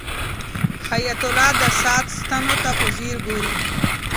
حیات الله د ساعت ستنو ته په ځیر ګوري.